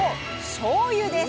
「しょうゆ」です。